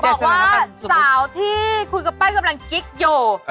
บอกว่าสาวที่คุยกับป้ายกำลังกิ๊กอยู่